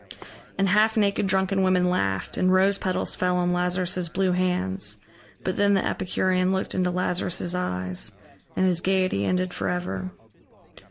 And half naked drunken women laughed, and rose petals fell on Lazarus' blue hands. But then the Epicurean looked into Lazarus' eyes, and his gaiety ended forever.